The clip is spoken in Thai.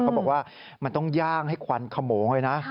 เขาบอกว่ามันต้องย่างให้ควันขโมงเลยนะ